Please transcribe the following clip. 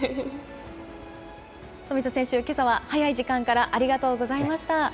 冨田選手、けさは早い時間からありがとうございました。